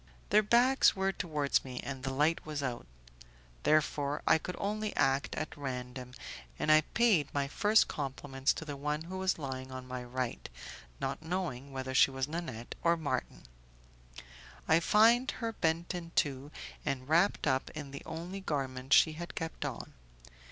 Their backs were towards me, and the light was out; therefore I could only act at random, and I paid my first compliments to the one who was lying on my right, not knowing whether she was Nanette or Marton. I find her bent in two, and wrapped up in the only garment she had kept on.